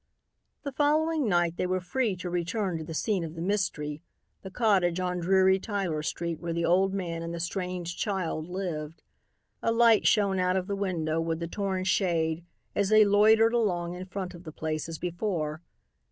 The following night they were free to return to the scene of the mystery, the cottage on dreary Tyler street where the old man and the strange child lived. A light shone out of the window with the torn shade as they loitered along in front of the place as before.